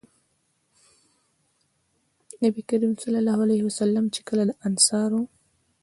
نبي کريم صلی الله عليه وسلم چې کله د انصارو